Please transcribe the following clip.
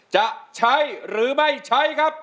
จะใช้หรือไม่ใช้ครับ